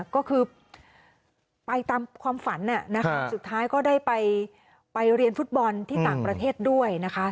ก็คือไปตามความฝันสุดท้ายก็ได้ไปเรียนฟุตบอลที่ต่างประเทศด้วยนะคะ